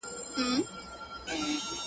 راځئ په ترتیب د ښایست